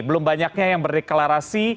belum banyaknya yang berdeklarasi